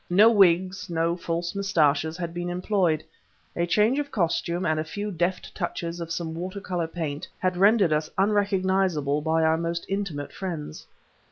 No wigs, no false mustaches had been employed; a change of costume and a few deft touches of some water color paint had rendered us unrecognizable by our most intimate friends.